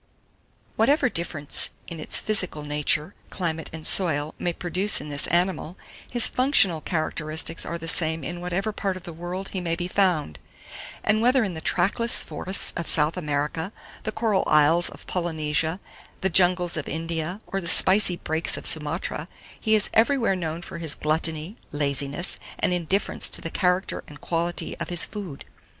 769. WHATEVER DIFFERENCE IN ITS PHYSICAL NATURE, climate and soil may produce in this animal, his functional characteristics are the same in whatever part of the world he may be found; and whether in the trackless forests of South America, the coral isles of Polynesia, the jungles of India, or the spicy brakes of Sumatra, he is everywhere known for his gluttony, laziness, and indifference to the character and quality of his food.